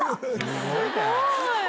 すごーい！